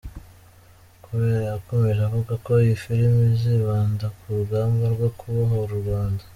Kabera yakomeje avuga ko iyi filimi izibanda ku rugamba rwo kubohora u Rwanda.